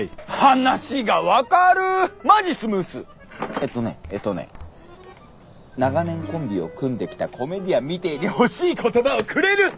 えっとねえとね長年コンビを組んできたコメディアンみてーに欲しい言葉をくれるッ！